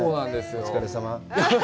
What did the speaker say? お疲れさま。